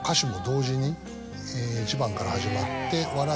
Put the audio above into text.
１番から始まって。